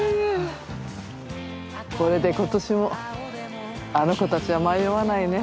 これでことしもあの子たちは迷わないね。